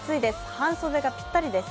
半袖がぴったりです。